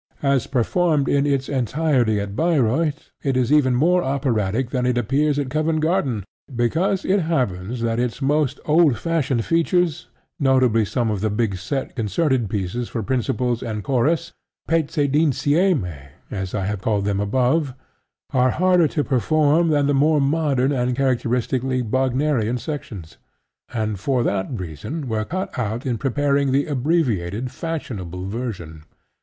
As performed in its entirety at Bayreuth, it is even more operatic than it appears at Covent Garden, because it happens that its most old fashioned features, notably some of the big set concerted pieces for principals and chorus (pezzi d'insieme as I have called them above), are harder to perform than the more modern and characteristically Wagnerian sections, and for that reason were cut out in preparing the abbreviated fashionable version.